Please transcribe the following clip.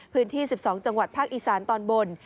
๑๒จังหวัดภาคอีสานตอนบน